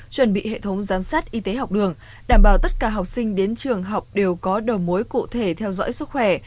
chuẩn bị hệ thống giám sát y tế học đường đảm bảo tất cả học sinh đến trường học đều có đầu mối cụ thể theo dõi sức khỏe